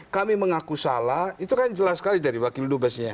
kami mengaku salah itu kan jelas sekali dari wakil dubesnya